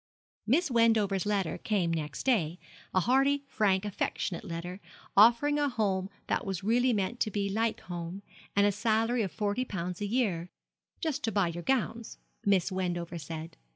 Miss Wendover's letter came next day, a hearty, frank, affectionate letter, offering a home that was really meant to be like home, and a salary of forty pounds a year, 'just to buy your gowns,' Miss Wendover said.